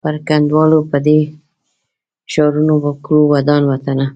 پر کنډوالو به دي ښارونه کړو ودان وطنه